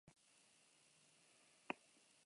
Aldendu zure ingurutik sentimendu eta ideia horiek.